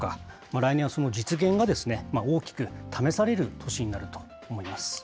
来年はその実現が大きく試される年になると思います。